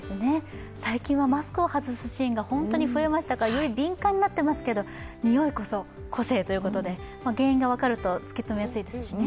最近はマスクを外すシーンが本当に増えましたからより敏感になってますけど、においこそ個性ということで原因が分かると突き止めやすいですしね。